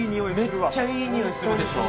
めっちゃいいにおいするでしょ。